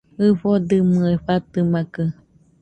ɨfodɨmɨe fatɨmakɨ